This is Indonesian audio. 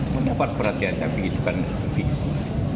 menyapa perhatian kami di depan fiksi